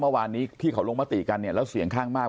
เมื่อวานนี้ที่เขาลงมติกันเนี่ยแล้วเสียงข้างมาก